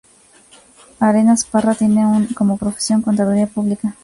Arenas Parra tiene como profesión contaduría pública.